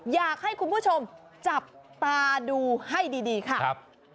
อยากให้คุณผู้ชมจับตาดูให้ดีค่ะ